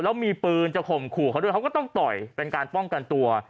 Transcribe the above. แล้วมีปืนจะข่มขู่เขาด้วยเขาก็ต้องต่อยเป็นการป้องกันตัว